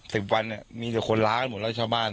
สิบวันเนี่ยมีแต่คนร้ายหมดแล้วชาวบ้าน